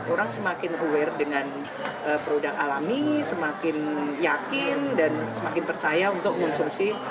orang semakin aware dengan produk alami semakin yakin dan semakin percaya untuk mensosiasi